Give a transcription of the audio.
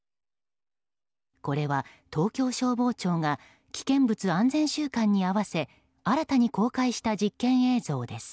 これは東京消防庁が危険物安全週間に合わせ新たに公開した実験映像です。